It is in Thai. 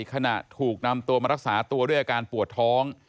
ขณะถูกนำตัวมารักษาตัวด้วยอาการปวดท้อง